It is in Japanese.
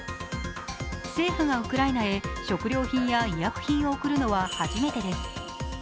政府がウクライナへ食料品や医薬品を送るのは初めてです。